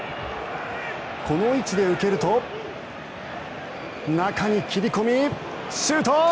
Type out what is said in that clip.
この位置で受けると中に切り込み、シュート！